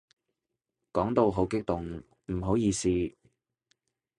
講到好激動，唔好意思